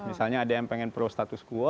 misalnya ada yang pengen pro status quo